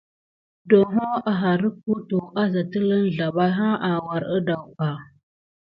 Ɗohô áháre wuka à sa telu zlabaki nakure gedar kuba.